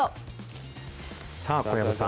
さあ、小籔さん。